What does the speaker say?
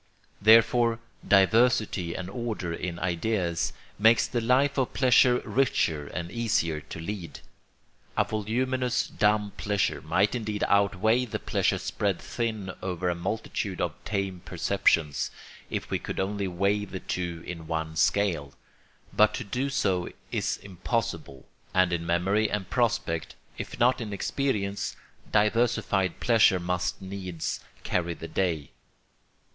Therefore diversity and order in ideas makes the life of pleasure richer and easier to lead. A voluminous dumb pleasure might indeed outweigh the pleasure spread thin over a multitude of tame perceptions, if we could only weigh the two in one scale; but to do so is impossible, and in memory and prospect, if not in experience, diversified pleasure must needs carry the day.